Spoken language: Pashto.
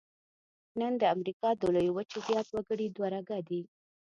نن د امریکا د لویې وچې زیات وګړي دوه رګه دي.